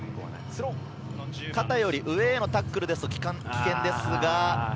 肩より上へのタックルですと、危険ですが。